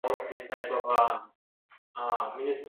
Bu sening o'gay onang, seni aldashyapti, — dedi